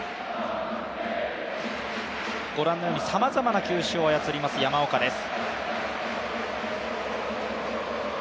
ご覧のようにさまざまな球種を操ります、山岡です。